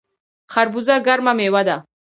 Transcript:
خربوزه ګرمه میوه ده